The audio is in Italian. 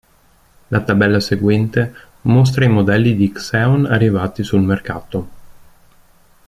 La tabella seguente mostra i modelli di Xeon arrivati sul mercato.